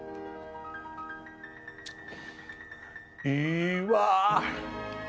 いいわあ！